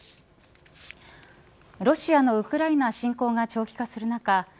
ロシアのウクライナ侵攻が長期化する中